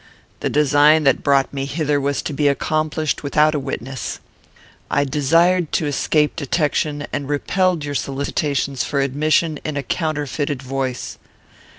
The design that brought me hither was to be accomplished without a witness. I desired to escape detection, and repelled your solicitations for admission in a counterfeited voice.